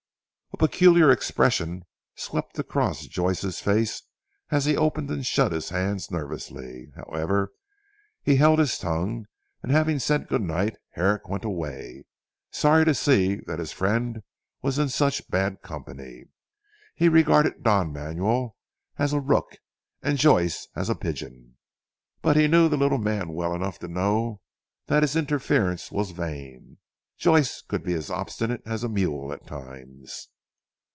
A peculiar expression swept across Joyce's face and he opened and shut his hands nervously. However he held his tongue, and having said good night Herrick went away, sorry to see that his friend was in such bad company. He regarded Don Manuel as a rook and Joyce as a pigeon. But he knew the little man well enough to know that his interference was vain. Joyce could be as obstinate as a mule at times.